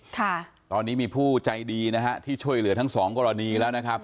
ตอนนี้มีผู้ใจดีที่ช่วยเหลือทั้งสองกรณีแล้ว